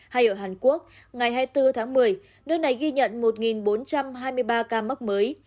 hay ở hàn quốc ngày hai mươi bốn tháng một mươi nước này ghi nhận một bốn trăm hai mươi ba ca mắc mới